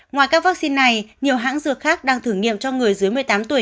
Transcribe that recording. ngoài các vaccine này nhiều hãng dược khác đang thử nghiệm cho người dưới một mươi tám tuổi